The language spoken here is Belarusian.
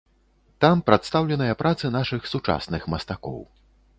Там прадстаўленыя працы нашых сучасных мастакоў.